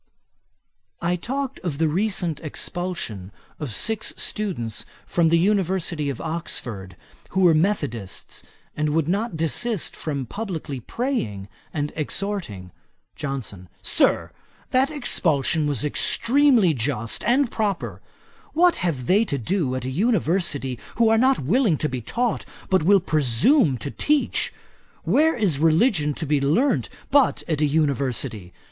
I talked of the recent expulsion of six students from the University of Oxford, who were methodists and would not desist from publickly praying and exhorting. JOHNSON. 'Sir, that expulsion was extremely just and proper. What have they to do at an University who are not willing to be taught, but will presume to teach? Where is religion to be learnt but at an University?